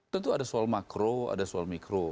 tentu ada soal makro ada soal mikro